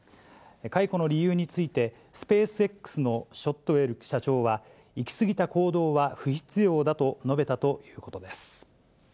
解雇の理由について、スペースＸのショットウェル社長は、行き過ぎた行動は不必要だと述べたということです。